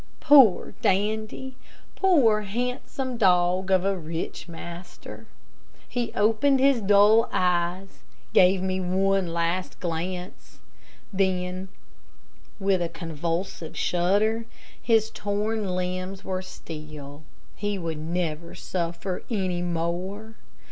Poor Dandy! Poor, handsome dog of a rich master! He opened his dull eyes, gave me one last glance, then, with a convulsive shudder, his torn limbs were still. He would never suffer any more.